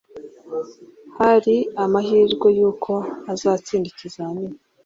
Hari amahirwe yuko azatsinda ikizamini